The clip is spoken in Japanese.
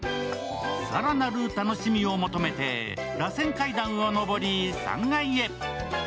更なる楽しみを求めて、らせん階段を上り３階へ。